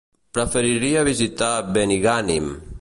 Preferiria visitar Benigànim.